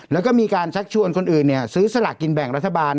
แล้วก็มีการชักชวนคนอื่นซื้อสลากกินแบ่งรัฐบาล